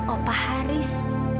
oh pa haris